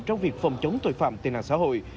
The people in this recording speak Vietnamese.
trong việc phòng chống tội phạm tệ nạn xã hội